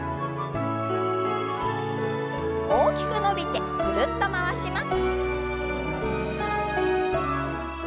大きく伸びてぐるっと回します。